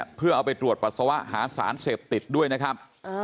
แล้วไปตรวจปัสสาวะหาสารเสพติดด้วยนะครับ